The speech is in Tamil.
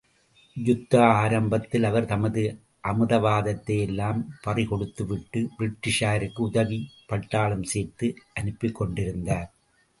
யுத்த ஆரம்பத்தில் அவர் தமது அமிதவாதத்தை எல்லாம் பறிகொடுத்துவிட்டு, பிரிட்டிஷாருக்கு உதவிப் பட்டாளம் சேர்த்து அனுப்பிக் கொண்டிருந்தார்.